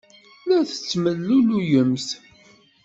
La tettemlelluyemt.